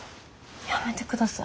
やめてください。